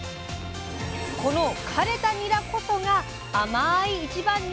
この枯れたニラこそが甘い１番